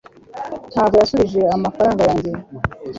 Ntabwo yansubije amafaranga yanjye